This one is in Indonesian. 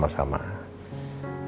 kalau pak chandra dan nino ada waktu